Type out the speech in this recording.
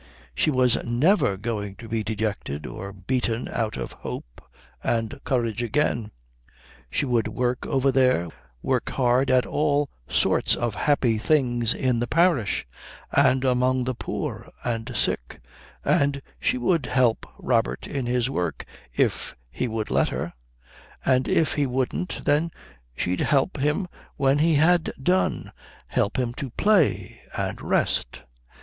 She was never going to be dejected or beaten out of hope and courage again. She would work over there, work hard at all sorts of happy things in the parish, and among the poor and sick, and she would help Robert in his work if he would let her, and if he wouldn't then she'd help him when he had done help him to play and rest.